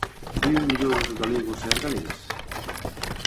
¿Viven mellor os galegos e as galegas?